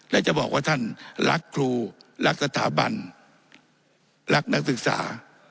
และจะบอกว่าท่านรักครูรักสถาบันรักนักศึกษา